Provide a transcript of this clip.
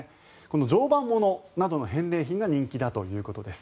常磐ものなどの返礼品が人気だということです。